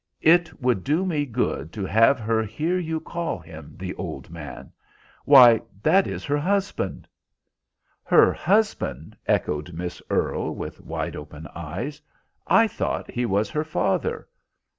It would do me good to have her hear you call him the old man. Why, that is her husband." "Her husband!" echoed Miss Earle, with wide open eyes, "I thought he was her father."